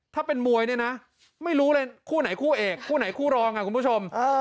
ถ้าเป็นมวยเนี่ยนะไม่รู้เลยคู่ไหนคู่เอกคู่ไหนคู่รองอ่ะคุณผู้ชม